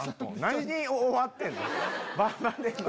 何終わってんねん！